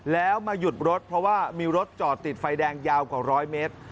แล้วมาหยุดรถเพราะว่ามีรถจอดติดไฟแดงยาวกว่าร้อยเมตร